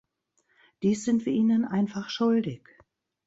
Dies sind wir ihnen einfach schuldig.